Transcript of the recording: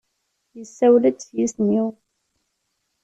Yessawel-d s yisem-iw.